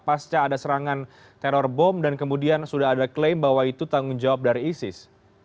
pasca ada serangan teror bom dan kemudian sudah ada klaim bahwa itu tanggung jawab dari isis